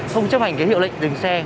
không chấp hành hiệu lệnh dừng xe